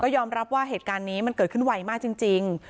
ยอมรับว่าเหตุการณ์นี้มันเกิดขึ้นไวมากจริง